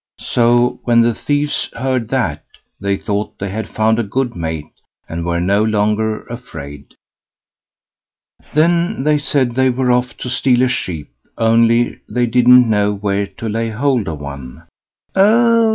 So, when the thieves heard that, they thought they had found a good mate, and were no longer afraid. Then they said they were off to steal a sheep, only they didn't know where to lay hold of one. "Oh!"